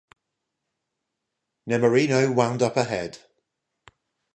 Nemorino wound up ahead.